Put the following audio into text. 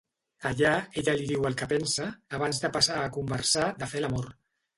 Allà ella li diu el que pensa, abans de passar a conversar de fer l'amor.